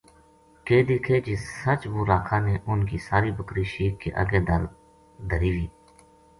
کے دیکھے جے سچ بو راکھا نے اُنھ کی ساری بکری شیک کے اَگے دھری وو